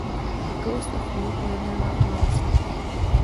The Ghost Of You pojednává o válce.